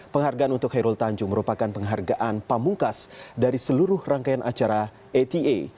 penghargaan untuk khairul tanjung merupakan penghargaan pamungkas dari seluruh rangkaian acara ata